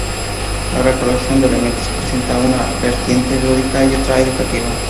La recolección de elementos presenta una vertiente lúdica y otra educativa.